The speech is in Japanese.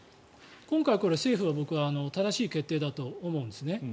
今回、これ、政府は正しい決定だと思うんですね。